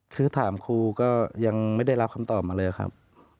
คือถามครูก็ยังไม่ได้รับคำตอบมาเลยครับ